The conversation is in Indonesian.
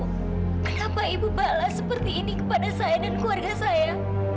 kenapa ibu balas seperti ini kepada saya dan keluarga saya